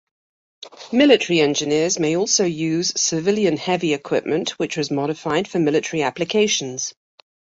Military engineers may also use civilian heavy equipment which was modified for military applications.